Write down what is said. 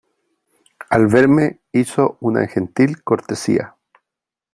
al verme hizo una gentil cortesía ,